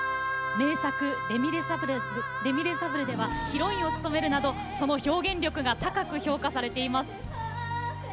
名作「レ・ミゼラブル」ではヒロインを務めるなどその表現力が高く評価されています。